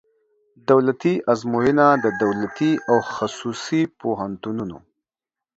دولتي آزموینه د دولتي او خصوصي پوهنتونونو